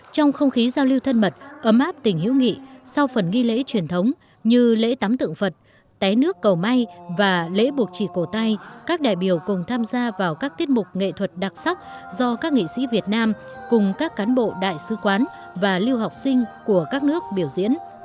trong không khí giao lưu thân mật ấm áp tình hữu nghị sau phần nghi lễ truyền thống như lễ tắm tượng phật té nước cầu may và lễ buộc chỉ cổ tay các đại biểu cùng tham gia vào các tiết mục nghệ thuật đặc sắc do các nghệ sĩ việt nam cùng các cán bộ đại sứ quán và lưu học sinh của các nước biểu diễn